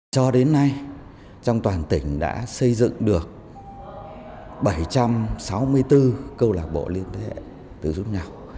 cho đến nay trong toàn tỉnh đã xây dựng được bảy trăm sáu mươi bốn cơ lộc bộ lên thế hệ tự giúp nhau